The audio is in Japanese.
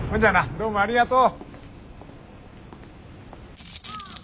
どうもありがとう。